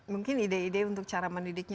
mungkin ide ide untuk cara mendidiknya